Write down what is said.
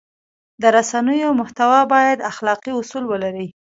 د رسنیو محتوا باید اخلاقي اصول ولري.